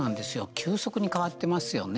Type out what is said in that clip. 急速に変わってますよね。